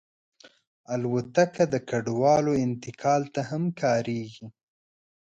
الوتکه د کډوالو انتقال ته هم کارېږي.